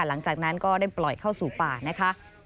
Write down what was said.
หลังจากนั้นก็ได้ปล่อยเข้าสู่ป่านะคะ